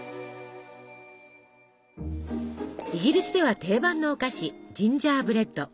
イギリスでは定番のお菓子ジンジャーブレッド。